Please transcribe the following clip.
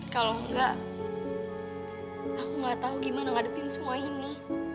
kalau enggak aku gak tau gimana ngadepin semua ini